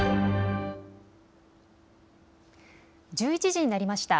１１時になりました。